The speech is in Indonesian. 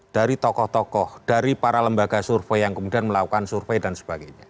dari tokoh tokoh dari para lembaga survei yang kemudian melakukan survei dan sebagainya